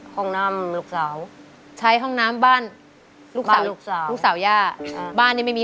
ห้องน้ำลูกสาวใช้ห้องน้ำบ้านลูกสาวลูกสาวลูกสาวย่าบ้านนี้ไม่มี